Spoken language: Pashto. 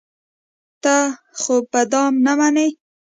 ته خو به دام نه منې.